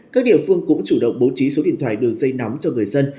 các địa phương cũng chủ động bố trí số điện thoại đường dây nóng cho người dân